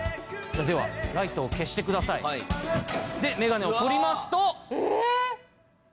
ではライトを消してください。でメガネを取りますと。